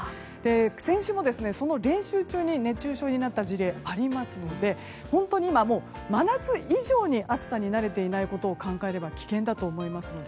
先週も、その練習中に熱中症になった事例がありますので本当に今、真夏以上に暑さに慣れていないことを考えれば危険だと思いますので。